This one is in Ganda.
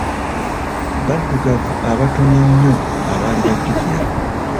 Baddugavu abatono ennyo abaali bajjukira.